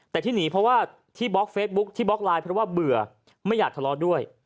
แต่ที่หนีเพราะว่าที่บล็อกเฟซบุ๊คที่บล็อกไลน์เพราะว่าเบื่อไม่อยากทะเลาะด้วย